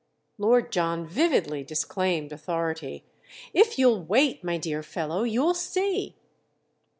Lord John vividly disclaimed authority. "If you'll wait, my dear fellow, you'll see."